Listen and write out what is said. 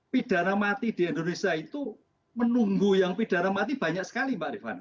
pidana mati di indonesia itu menunggu yang pidana mati banyak sekali mbak rifana